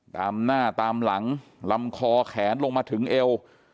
ตามหน้าตามหลังลำคอแขนลงมาถึงเอว